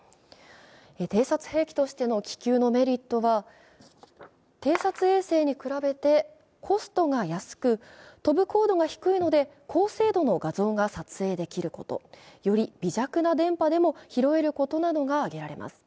偵察兵器としての気球のメリットは、偵察衛星に比べてコストが安く、飛ぶ高度が低いので、高精度の画像が撮影できること、より微弱な電波でも拾えることなどが挙げられます。